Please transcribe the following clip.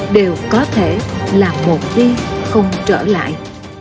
đều có thể là một đi không trở lại